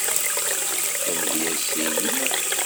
D tamedyazt i lliɣ.